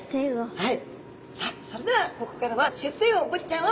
はい。